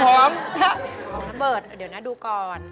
อ่ะของทะเบิดเดี๋ยวหน้ากูก่อน